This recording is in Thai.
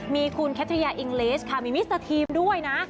มีคุณแคทยาอิงเลสค่ะมีมิสเตอร์ทีมด้วยนะ